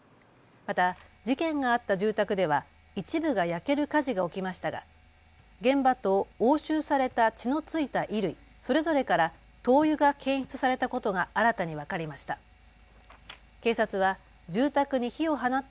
また事件があった住宅では一部が焼ける火事が起きましたが現場と押収された血の付いた衣類それぞれから灯油が検出されたことが新たに分かりました。